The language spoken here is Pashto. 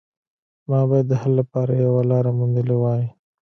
ما باید د حل لپاره یوه لاره موندلې وای